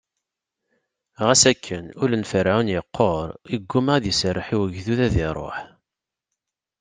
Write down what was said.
Ɣas akken, ul n Ferɛun iqqur, iggumma ad iserreḥ i ugdud ad iṛuḥ.